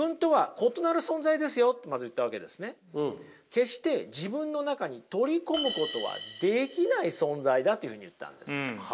決して自分の中に取り込むことはできない存在だというふうに言ったんです。